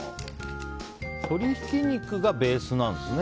鶏ひき肉がベースなんですね。